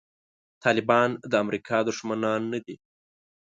طالبان د امریکا دښمنان نه دي.